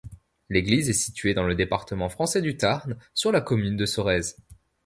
L'église est située dans le département français du Tarn, sur la commune de Sorèze.